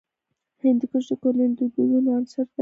هندوکش د کورنیو د دودونو عنصر دی.